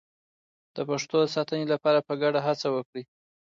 د پښتو د ساتنې لپاره په ګډه هڅه وکړئ.